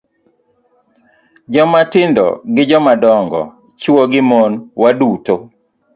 Jomatindo gi jomadongo, chwo gi mon, waduto